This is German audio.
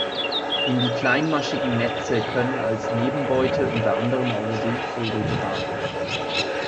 In die kleinmaschigen Netze können als Nebenbeute unter anderem auch Seevögel geraten.